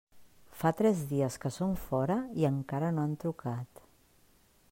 Fa tres dies que són fora i encara no han trucat.